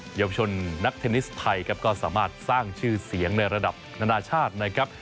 เยาวชนนักเทนนิสไทยครับก็สามารถสร้างชื่อเสียงในระดับนานาชาตินะครับ